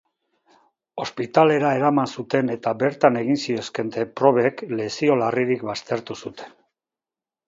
Ospitalera eraman zuten eta bertan egin zizkioten probek lesio larririk baztertu zuten.